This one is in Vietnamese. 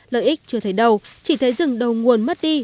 lợi ích chưa thấy đâu chỉ thấy rừng đầu nguồn mất đi